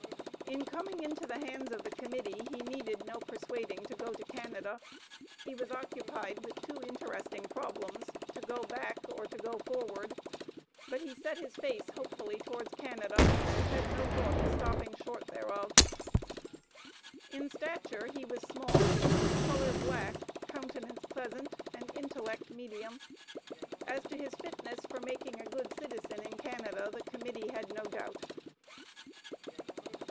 In coming into the hands of the Committee he needed no persuading to go to Canada; he was occupied with two interesting problems, to go back or to go forward. But he set his face hopefully towards Canada, and had no thought of stopping short thereof. In stature, he was small; color, black; countenance, pleasant, and intellect, medium. As to his fitness for making a good citizen in Canada the Committee had no doubt.